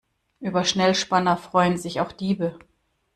Über Schnellspanner freuen sich auch Diebe.